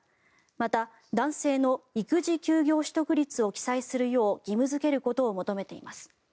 また、男性の育児休業取得率を記載するよう義務付けることを求めています。